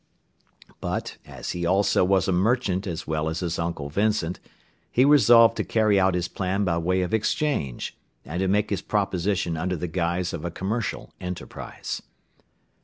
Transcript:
But, as he also was a merchant as well as his uncle Vincent, he resolved to carry out his plan by way of exchange, and to make his proposition under the guise of a commercial enterprise.